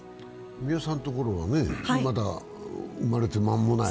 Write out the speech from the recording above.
三輪さんのところは、まだ生まれて間もない？